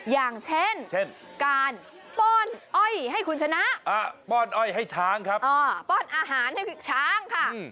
อย่างเช่นเช่นการป้อนอ้อยให้คุณชนะป้อนอ้อยให้ช้างครับป้อนอาหารให้ช้างค่ะ